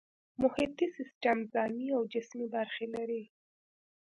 محیطي سیستم ځانی او جسمي برخې لري